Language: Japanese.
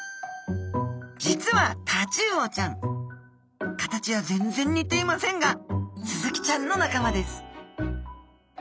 実はタチウオちゃん形は全然似ていませんがスズキちゃんの仲間です